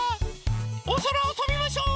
おそらをとびましょう！